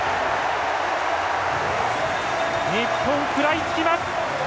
日本、食らいつきます！